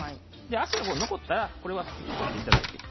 脚が残ったらこれは取っていただいて。